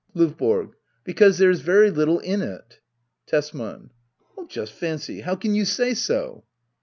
LoYBORO. Because there is very little in it. Tesman. Just &ncy — ^how can you say so